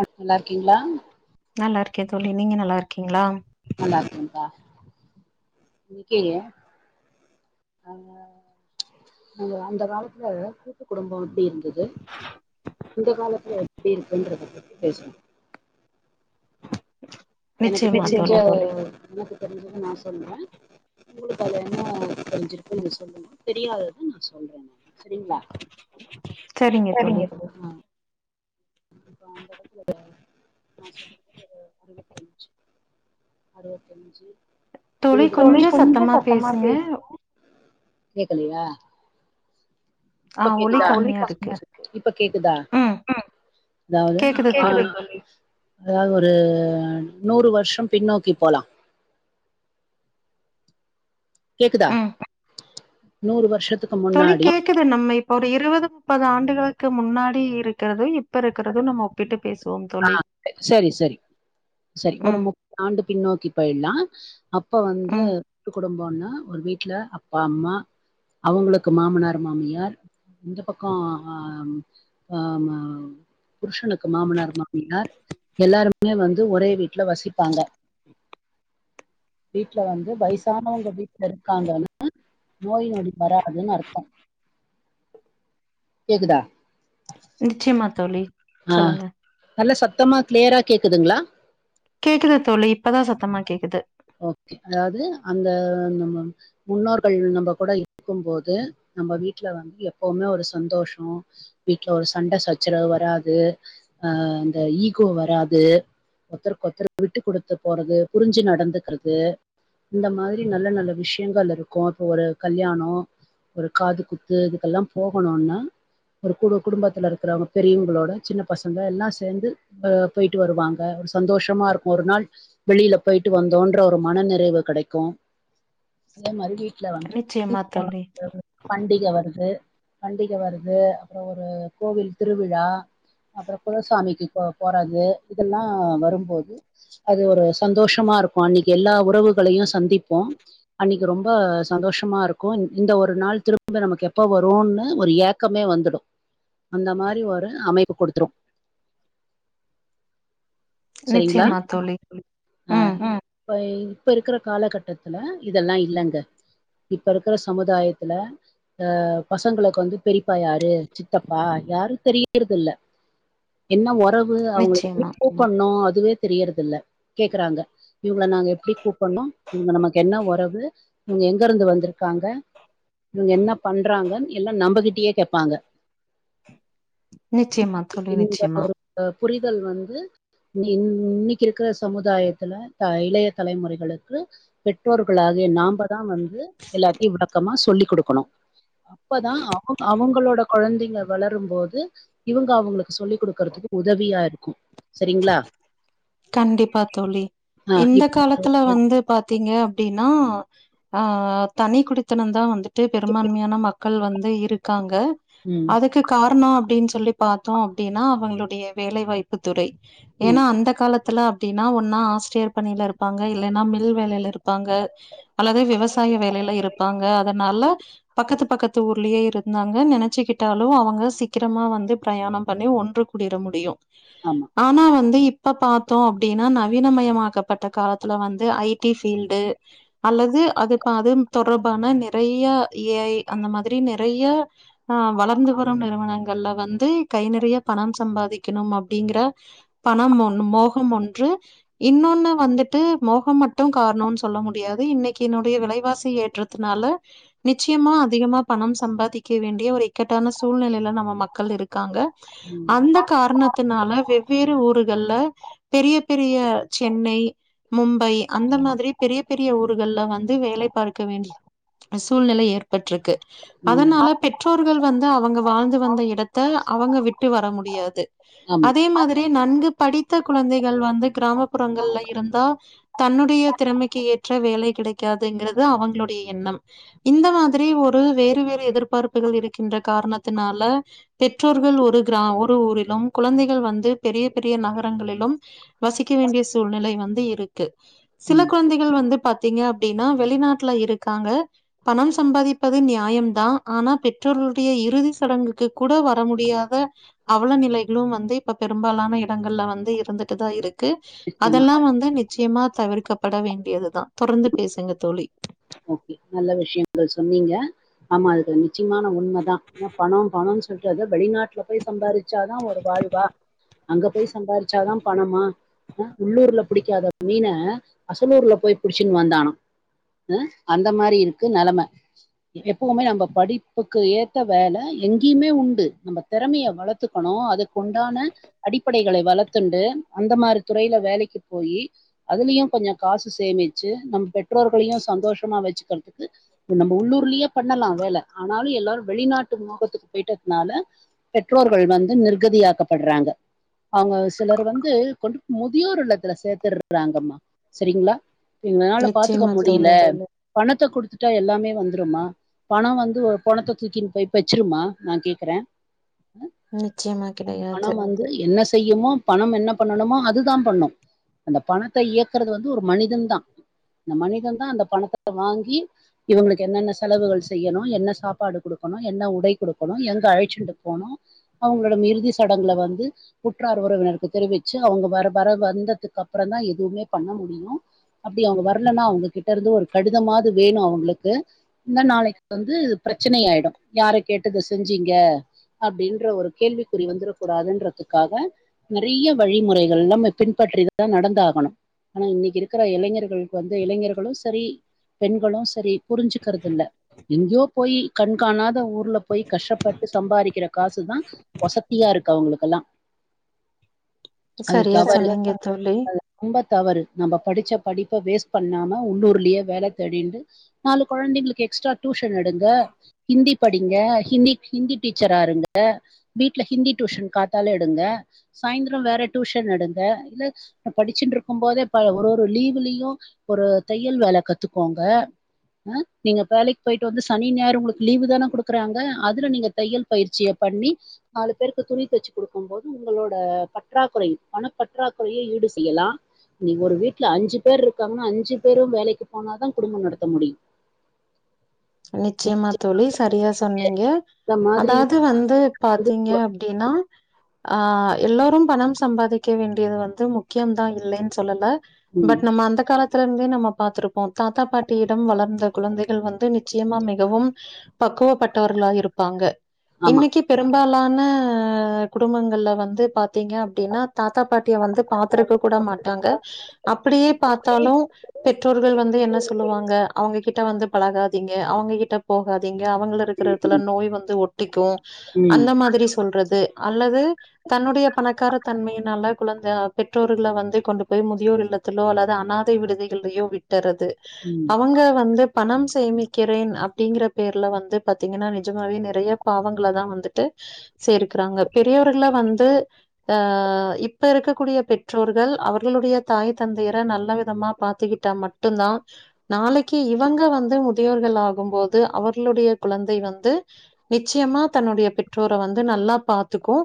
நல்லா இருக்கிங்ளா நல்லா இருக்கன் தோழி நீங்க நல்லா இருக் நல்லா இருக்கன்பா இருக்கீங்க அ ம் அந்த காலத்துல கூட்டு குடும்பம் எப்டி இருந்தது இந்த காலத்துல எப்டி இருக்குன்றத பத்தி பேசனும் எனக்கு நிச்சயமா தெரிஞ்ச தோழி எனக்கு தெரிஞ்சது நா சொல்றன் உங்ளுக்கு அது என்ன தெரிஞ்சிருக்குன்னு சொல்லுங்க தெரியாதத நா சொல்றன்ங்க செரிங்ளா [inaudible] சரிங்க தோழி [unintelligible] அம் இப்ப அந்த எடத்துக்கு நான் சொல்றது ஒரு அறுவத்தஞ்சு அறுவத்தஞ்சு அறு [unintelligible] தோழி கொஞ்சம் சத்தமா பேசுணு கேக்குலையா ஆ இப்ப ஒலி கேக்குதா ஒழி கம்மியா இருக்கு கம்மியாருக்கு இப்ப கேக்குதா ம் அதாது அ கேக்து தோழி அதாது ஒரு நூறு வர்ஷம் பின்னோக்கி போலா கேக்குதா ம் நூறு வர்ஷ தோழி கேக்குது நம்ம இப்ப ஒரு இருவது முப்பது ஆண்டுகுளுக்கு முன்னாடி இருக்கறது இப் இப்ப இருக்குறது நம்ம ஒப்பிட்டு பேசுவோம் தோழி சரி சரி சரி ஒரு ம் முப்பது ஆண்டு பின்னோக்கி போயிட்லா அப்ப வந்து ம் கூட்டு குடும்பன்னா ஒரு வீட்ல அப்பா அம்மா அவங்ளுக்கு மாமனார் மாமியார் இந்த பக்கொ அம் அ அம் அ புருஷனுக்கு மாமனார் மாமினார் எல்லாருமே வந்து ஒரே வீட்டு்ல வசிப்பாங்க வீட்டு்ல வந்து வயசானவங்க வீட்டுல இருக்காங்கன்னு நோய் நொடி வராதுன் அர்த்தம் கேக்குதா நிச்சயமா தோழி ஆஹ் சொல்லுங்க நல்ல சத்தமா க்ளியரா கேக்குதுங்களா கேக்குது தோழி இப்பதா சத்தமா கேக்குது ஓகே அதாவது அந்த முன்னோர்கள் நம்ம கூட இருக்கும் போது நம்ம வீட்ல வந்து எப்பவுமே ஒரு சந்தோஷம் வீட்டுல ஒரு சண்ட சச்சரவு வரா து ஆஹ் இந்தந ஈகோ வராது ஒத்தருக்கொருத்தர் விட்டு குடுத்து போறது புரிஞ்சு நடந்துக்கிறது இந்த மாதிரி நல்ல நல்ல விஷயங்கள் இருக்கும் இப்போ ஒரு கல்யாணம் ஒரு காது குத்து இதுக்கெல்லாம் போகணும்னா ஒரு கு குடும்பத்துல இருக்கிறவங்க பெரியவங்களோட சின்ன பசங்க எல்லாம் சேர்ந்து போயிட்டு வருவாங்க ஒரு சந்தோஷமா இருக்கும் ஒரு நாள் வெளியில போயி ட்டு வந்தோன்ற ஒரு மன நிறைவு கிடைக்கும் மாிஇ வீட்ல வந்து நிச்சயமா இப்ப தோழி பண்டிகை வருது பண்டிகை வருது அப்புறம் ஒரு கோவில் திருவிழா அப்புறம் குலசாமிக்கு போ போறது இதெல்லாம் வரும்போது அது ஒரு சந்தோஷமா இருக்கும் அன்னிக்கு எல்லா உறவுக்கும் களையும் சந்திப்போம் அன்னிக்கு ரொம்ப சந்தோஷமா இருக்கும் இந்த ஒரு நாள் திரும்ப நமக்கு எப்ப வரும்னு ஒரு ஏக்கமே வந்துடும் அந்த மாதிரி ஒரு அமைப்பு கொடுத்துரும் சரிங்களா நிச்சயமா தோழி அஹ் ம் உஹ் இப்ப இப்ப இருக்கிற காலகட்டத்துல இதெல்லாம் இல்லங்க இப்ப இருக்கிற சமுதாயத்துல அஹ் பசங்களுக்கு வந்து பெரிப்பா யாரு சித்தப்பா யாரும் தெரியிறத இல்ல என்ன உறவு அவுங்க நிச்சயமா எ கூப்டனும் அதுவே தெரியிறது இல்ல கேக்குறாங்க இவுங்கள நாங்க எப்படி கூப்டணும் இவுங்க நமக்கு என்ன உறவு உறவு இவுங்க எங்க இருந்து வந்துருக்காங்க இவுங்க என்ன பண்றாங்கன் எல்லாம் நம்மகிட்டயே கேப்பாங்க நிச்சயமா தோழி இந்த நிச்சயமா ஒரு புரிதல் வந்து இ இன்னைக்கு இருக்கிற சமுதாயத்துல இளைய தலைமுறைகளுக்கு பெற்றோர்க அதாவது நாமதான் வந்து எல்லாத்தையும் விளக்ககமா சொல்லிக் கொடுக்கணும் அப்பதான் அவுங்க அவுங்களோட கொழந்தைங்க வளரும் போது இவுங்க அவுங்களுக்கு சொல்லிக் குடுக்கறதுக்கு உதவியா இருக்கும் சரிங்களா கண்டிப்பா தோழி ஆ இந்த இப் காலத்துல வந்து பாத்தீங்க அப்படின்னா ஆஹ் ஆஹ் தனி குடித்தனம் தான் வந்துட்டு பெரும்பான்மையான மக்கள் வந்து இருக்காங்க ம். அதுக்கு காரணம் அப்டின்னு சொல்லி பாத்தோம் அப்படின்னா அவுங்களுடைய வேலைவாய்ப்பு ப்புத்துறை ம். ஏன்னா அந்த காலத்து இல்ல அப்டின்னா ஒன்னா ஆசிரியர் பணியில இருப்பாங்க இல்லன்னா மில் வேலையில இருப்பாங்க அல்லது விவசாய வேலையில இருப்பாங்க அதனால பக்கத்து பக்கத்து ஊர்லயே இருந்தாங்க நினைச்சுக்கிட்டாலும் அவுங்க சீக்கிரமா வந்து பிரயாணம் பண்ணி ஒன்று கூடியிட முடியும் ஆமா. ஆனா வந்து இப்ப பாத்து தோம் அப்டின்னா நவீனமயமாக்கப்பட்ட காலத்துல வந்து ஐடி ஃபீல்டு அல்லது அது அதுப்ப அது தொடர்பு இப்ப ஆனா நிறைய ஏஐ அந்த மாதிரி நிறைய அஹ் வளர்ந்து வரும் நிறுவனங்கள்ல வந்து கை நிறைய பணம் சம்பாதிக்கணும் அப்படிங்கற பணம் மோ மோக கம் ஒன்று இன்னொன்னு வந்துட்டு மோகம் மட்டும் காரணம்னு சொல்ல முடியாது இன்னைக்கு என்னுடைய வில விலைவாசி ஏற்றத்துனால நிச்சயமா அதிகமா பணம் சம்பாதிக் க்க வேண்டிய ஒரு இக்கட்டான சூழ்நிலையில நம்ம மக்கள் இருக்காங்க ம். அந்த காரணத்தினால வெவ் வேறு ஊருகள்ல பெரிய பெரிய சென்னை மும்பை அந்த மாதிரி பெரிய பெரிய ஊருகள்ல வந்து வேலை பார்க்க வேண்டி அ சூழ்நெலை ஏற்பட்ருக்கு ம். அதனால பெற்றோர்கள் வந்து அவங்க வாழ்ந்து வந்த இடத்த அவங்க விட்டு வர முடியாது ஆமா. அதே மாதிரி நன்கு படித்த கொ ழந்தைங்க வந்து கிராமப்புறங்கள்ல இருந்தா தன்னுடைய திறமைக்கி ஏற்ற வேலை கிடைக்காதுங்கறத அவங்களுடைய எண்ணம் இந்த மாதிரி ஒரு ரு வேறு வேறு எதிர்பார்ப்புகள் இருக்கின்ற காரணத்துனால பெற்றோர்கள் ஒரு கிர ஒரு ஊரிலு ம் குழந்தைகள் வந்து பெரிய பெரிய நகரங்களிலும் வசிக்க வேண்டிய சூழ்நிலை வந்து இருக்கு சில ம். குழந்தைகள் வந்து பாத்தீங்க அப்டின்னா வெளிநாட்டு ட்ல இருக்காங்க பணம் சம்பாதிப்பது நியாயம் தா ஆனா பெற்றோருடைய இறுதி சடங்கு க்கு கூட வர முடியாத அவலநிலைகளும் வந்து இப்ப பெரும்பாலான எடங்கள்ல வந்து இரு இருந்துட்டு தா இருக்கு நிச்சயமா. அதெல்லா வந்து நிச்சயமா தவிர் க்கப்பட வேண்டியதுதா தொடர்ந்து பேசுங்க தோழி ஓகே நல்ல விஷயங்கள் சொன்னீங்க ஆமா அது நிச்சியமான உண்மதா ஏன்னா பணோ பணோன் சொல்ட்டு அது வெளிநாட்டுல போய் சம்பாதிச்சாதா ஒரு வாழ்வா அங்க போய் சம்பாரிச்சாதா பணமா ஆ உள்ளூர்ல புடிக்காத மீன அசலூர்ல போய் புடிச்சுன்னு வந்தானா அ அந்த மாதிரி இருக்கு நெலம எப்பவுமே நம்ம படிப்புக்கு ஏத்த வேல எங்கேயுமே உண்டு நம்ம திறமையை வளத்துக்கணு அதுக்குண்டான அடிப்படைகள வளர்த்துண்டு அந்த மாதிரி துறையில வேலைக்கு போய் அதுலயு கொஞ்சோ காசு சேமிச்சு நம்ம பெற்றோர்களையு சந்தோஷமா வச்சுக்கறதுக்கு நம்ம உள்ளூர்லயே பண்ணலா வேல ஆனாலு எல்லாரு வெளிநாட்டு மொகத்துக்கு போயிட்டங்னால பெற்றோர்கள் வந்து நிர்கதியாக்கப்படறாங்க அவங்க சிலர் வந்து கொண்டு முதியோர் இல்லத்துல சேத்தறாங்கம்மா சரிங்களா என்னால பாத்துக்க நிச்சயமா முடியல தோழி. பணத்த குடுத்துட்டா எல்லாமே வந்துருமா பணோ வந்து ஒரு பொணத்த தூக்கின்னு போய் பெச்சிருமா நா கேக்குறே நிச்சயமா அ அ அ பணோ கிடையாது. வந்து என்ன செய்யுமோ பணம் என்ன பண்ணணுமோ அதுதா பண்ணு அந்த பணத்தை இயக்கறது வந்து ஒரு மனிதன தா இந்த மனித தா அந்த பணத்த வாங்கி இவங்களுக்கு என்னென்ன செலவுகள் செய்யணு என்ன சாப்பாடு குடுக்கணு என்ன உடை குடுக்கணு எங்க அழைச்சுண்ட்டு போனு அவங்கடம் இறுதி சடங்கள வந்து உற்றார் உறவினருக்கு தெரிவி வெச்சு அவங்க வர வர வந்ததுக்கு அப்புறோ தா எதுவுமே பண்ண முடியு அப்டி அவங்க வரலன்னா அவுங்கக்கிட் தருந்து ஒரு கடிதமாது வேணு அவுங்களுக்கு இந்த நாளைக்கு வந்து பிரச்சனையாயிடு யாரை கேட் இத செஞ்சீங்க அப்டின்ற ஒரு கேள்விக்குறி வந்துடக் கூடாதுன்றதுக்காக நெறைய வழிமுறைகள்லா நம் பின்பற் அபபிடி இதுதா நடந்தாகணு ஆனா இன்னைக்கி இருக்கற இளைஞர்களுக்கு வந்து இளைஞர்களு ஸ் செரி பெண்களு செரி புரிஞ்சுக்கறதில்ல எங்கேயோ போய் கண்காணாத ஊர்ல போய் கஷ்டப்பட்டு சம்பாதிக்கற காசுதா ஒசத்தியா இருக்கு அவங்களுக்கெல்லா அது சரியா தவறு சொன்னீங்க தோழி. [unintelligible] தவறு நம்ம படிச்ச படிப்ப வேஸ்ட் பண்ணாம உள்ளூர்லேயே வேல தேடிண்டு நாலு கொழந்தைகளுக்கு எக்ஸ்ட்ரா டியூஷன் எடுங்க ஹிந்தி படிங்க க ஹிந்தி ஹிந்தி டீச்சராருங்க வீட்ல ஹிந்தி டியூஷன் காத்தால எடுங்க சாயந்திரம் வேற டியூஷன் எடுங்க இல்ல படிச்சுண்ட்ருக்கும் போதே ஒரு ஒரு லீவ்லியு ஒரு தையல் வேல கத்துக்கோங்க அ நீங்க வேலைக் போயிட்டு வந்து சனி ஞாயிறு உங்களுக்கு லீவு் தான குடுக்கறாங்க அதுல நீங்க தையல் பயிற்சியப் பண்ணி நாலு பேருக்கு துணி தச்சு குடுக்கும் போது உங்களோட பற்றாக்களை பணப்பற்றாக்குறையை இட் டு செய்யலா நீங்க ஒரு வீட்ல அஞ்சு பேர் இருக்காங்கன்னா அஞ்சு பேர் பேரு வேலைக்கி போனாதா குடும்பம் நடத்த முடி நிச்சயமா தோழி சரியா சொன்னீங்க இந்த மாதிரி அதாவது வந்து வந்து பாத்தீங்க அப்டின்னா ஆ எல்லாரும் பணம் சம்பாதிக்க வேண்டியது வந்து முக்கியம் தா இல்லைன் சொல்லல்ல ம் பட் நம்ம அந்த காலத்திலந்தே நம்ம பாத்திருப்போ தாத்தா பாட்டியிடம் வளர்ந்த குழந்தைகள் வந்து நிச் ச்சியமா மிகவும் பக்குவப்பட்டவர்களா இருப்பாங்க ஆமா இன்னைக்கி பெரும்பாலான அ குடும்பங்கள்ல வந்து பாத் த்திங்க அப்டினா தாத்தா பாட்டிய வந்து பாத்ருக்க கூட மாட்டாங்க அப்டியே பாத்தாலு பெற்றோர்கள் வந்து என்ன சொல்லுவாங்க அவுங்ககிட்ட வந்து பழகாதீங்க அவுங்ககிட்ட போகாதீங் ங்க அவுங்கல இருக்கற எட்த்துல நோய் வந்து ஒட்டிக்கு ம் அந்த மாதிரி சொல்றது அல்லது தன்னுடைய பணக்கார தன்மையினால குழந்த அப் பெற்றோர்கள வந்து கொண்டு போய் முதியோர் இல்லத்தலோ அல்லது அனாதை விடுதிகள்லியோ விட்டர து ம் அவுங்க வந்து பணம் சேமிக் கிரேன் அப்டிங்கிற பேர்ல வந்து பாத்தீங்கன்னா நிஜமாவே நெறைய பாவங்களதா வந்துட்டு சேர்க்கிறாங்க பெரியவர்கள வந்து ஆ இப்ப இருக்கக்கூடிய பெற்றோர்கள் அவர்களுடைய தாய் தந்தையர நல்ல விதமா பாத்துக்கிட் ட்டா மட்டுந்தா நாளைக்கு இவங்க வந்து தியோர்கள் ஆகும் போது அவர்களுடைய குழந்தை வந்து நிச்சயமா தன்னுடைய பெற்றோர வந்து நல் நல்லா பாத்துக்கு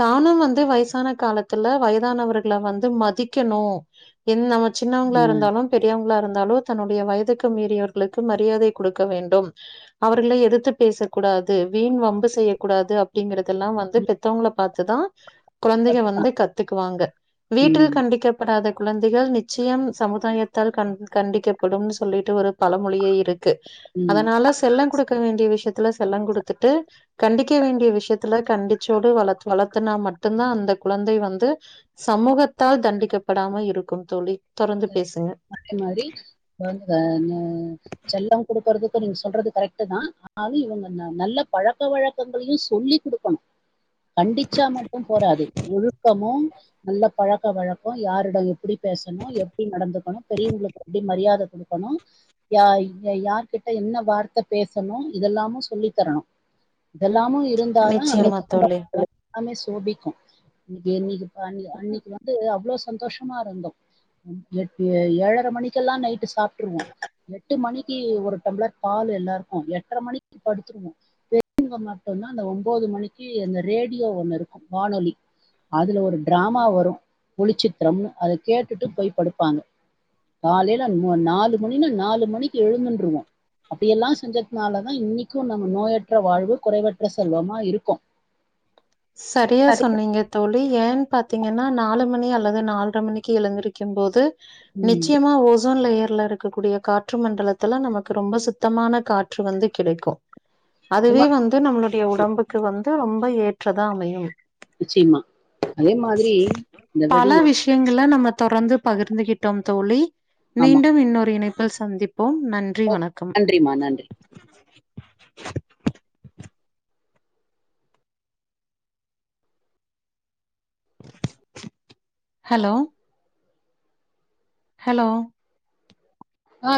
தானும் வந்து வயசான காலத்தில வயதானவர்கள வந்து மதிக்கணு கு என் நம்ம சின்னவங்ளா இருந்தாலு பெரியவங்ளா இருந்தாலு தன்னுடைய வயதுக்கு மீறியவர்களுக்கு மர் ரியாதை குடுக்க வேண்டும் அவர்களை எதிர்த்து பேசக் கூடாது வீண் வம்பு செய்யக்கூடாது அப்டிங்கிற இதெல்லா வந்து ம் பெத்தவங்ள பாத்துதா குழந்தைக கத்துப்பா வந்து கத்துக்குவாங்க வீட்டில் ம் கண்டிக்கப்படாதக் குழந்தைகள் நிச்சயம் சமுதாயத்தால் கண் கண்டிக்கப்படும்னு சொல்லிட்டு ஒரு பல மொழியே இருக் க்கு ம் அதனால செல்ல குடுக்க வேண்டிய விஷ்யத்துல செல்லங் குடுத்துட்டு கண்டிக்க வேண்டிய விஷ்யத்துல கண்டிச்சோடு வளத் வளர்த்தனா மட்டுந்தா அந்தக் குழந் தை வந்து சமூகத்தால் தண்டிக்கப்படாம இருக்கும் தோழி தொடர்ந்துப் அதே மாரி வங்கானு செல்ல குடுக்கறதுக நீங்க சொல்றது கரெக்ட்டுதா ஆனாலு இவுங்க ந நல்லப் பழக்க வழக்கங்களையு சொல்லி் குடுக்கணு கண்டிச்சா மட்டும் போறாது ஒழுக்கமும் நல்ல பழக்க வழக்க யாரிட எப்டிப் பேசணு எப்டி நடந்துக்கணு பெரியவுங்ளுக்கு அப்டி மரியாத குடுக்கணு யாயி அ யார்கிட்ட என்ன வார்த்த பேசணு இத எல்லாமு சொல்லித்தரணு இதெல்லாமு இருந்தாதா அந்த நிச்சயமா தோழி. [unintelligible] ஆமே சோபிக்கு இன்னிக்கு இன்னிகு பண் அன்னைக்கு வந்து அவ்ளோ சந்தோஷமா இருந்தோ [unintelligible] ஏழர மணிக்கெல்லா நைட்டு சாப்ட்ருவோ எட்டு மணிக்கி ஒரு டம்ளர் பால் எல்லாருக்கு எட்ர மணி மணிக்கு படுத்துருவோ பெரியங்க மட்டுந்தா அந்த ஒன்போது மணிக்கு அந்த ரேடியோ ஒன்னு இருக்கு வானொலி அதுல ஒரு டிராமா வரு ஒளிச்சித்ரம்னு அத கேட்டுட்டு போய் படுப்பாங்க காலைல மு நாலு மணினா நாலு மணிக்கு எழுந்துன்ருவோ அப்டியெல்லா செஞ்சத்னாலதா இன்னைக்கு நம்ம நோயற்ற வாழ்வு குறைவற்ற செல்வமா இருக்கோ [inaudible] சரியா சொன்னீங்கத் தோழி ஏன் பாத்தீங்கன்னா நாலு மணிய அலது நால்ர மணிக்கு எழுந்திரிக்கிம்போது ம் நிச்சயமா ஓசோன் லேயர் ல்ல இருக்கக்கூடிய காற்று மண்டலத்தில நமக்கு ரொம்ப சுத்தமான காற்று வந்து கிடைக்கு அது அதுவே மாதிரி வந்து நம்ளுடைய உடம்புக்கு வந்து ரொம்ப ஏற்றதா அமையும் நிச்சயமா அதே மாதிரி இந்த பல வெடி விஷ்யங்கள நம்ம தொடர்ந்துப் பகிர்ந்துகிட்டோம் தோழி ஆமா மீண்டும் இன்னொரு இணைப்பில் சந்திப் போம் நன்றி வணக்கம். நன்றிமா நன்றி ஹலோ ஹலோ